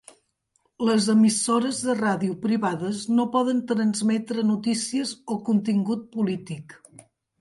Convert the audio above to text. Les emissores de ràdio privades no poden transmetre notícies o contingut polític.